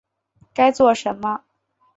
该做什么